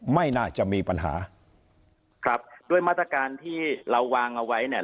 ไม่น่าจะมีปัญหาครับด้วยมาตรการที่เราวางเอาไว้เนี่ย